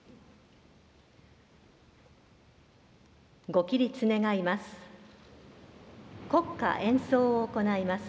ご起立願います。